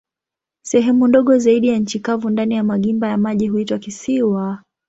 Sehemu ndogo zaidi za nchi kavu ndani ya magimba ya maji huitwa kisiwa.